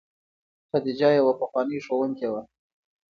خدیجه یوه پخوانۍ ښوونکې وه.